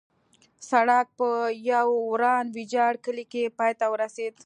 سړک په یو وران ویجاړ کلي کې پای ته رسېده.